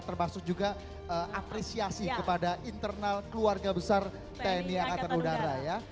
termasuk juga apresiasi kepada internal keluarga besar tni angkatan udara ya